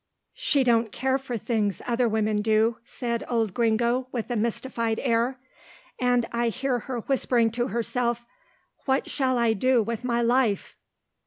"She don't care for things other women do," said old Gringo with a mystified air, "and I hear her whispering to herself, 'What shall I do with my life?